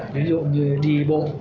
ví dụ như đi bộ